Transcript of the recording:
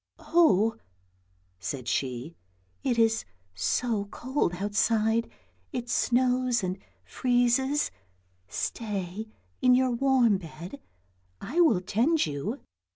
" Oh! " said she, " it is so cold outside, it snows and freezes, stay in your warm bed, I will tend you."